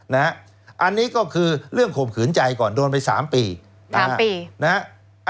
อันนี้ก็คือเรื่องข่มขืนใจก่อนโดนไป๓ปี๓ปีนะฮะ